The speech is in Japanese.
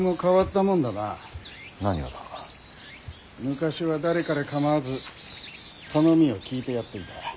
昔は誰彼構わず頼みを聞いてやっていた。